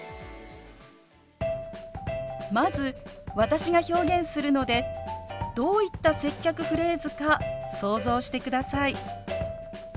まず私が表現するのでどういった接客フレーズか想像してください。